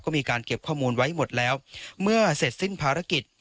ก็มีการเก็บข้อมูลไว้หมดแล้วเมื่อเสร็จสิ้นภารกิจ